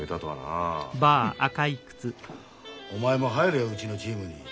フッお前も入れようちのチームに。